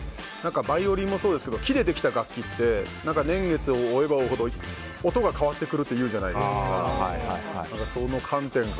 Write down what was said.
バイオリンもそうですけど木でできた楽器って年月を追えば追うほど高くなるじゃないですか。